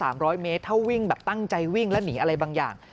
ร้อยเมตรถ้าวิ่งแบบตั้งใจวิ่งแล้วหนีอะไรบางอย่าง